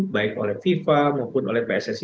baik oleh fifa maupun oleh pssi